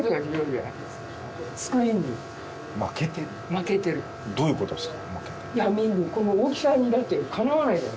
負けてるどういうことですか？